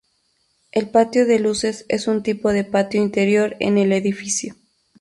El patio de luces es un tipo de patio interior en el edificio.